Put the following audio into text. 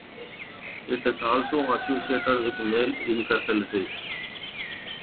It is also associated with male infertility.